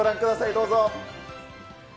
どうぞ。